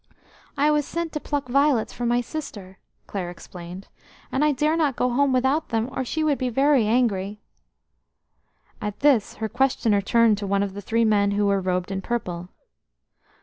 "I was sent to pluck violets for my sister," Clare explained, "and I dare not go home without them, or she would be very angry." At this her questioner turned to one of the three men who were robed in purple.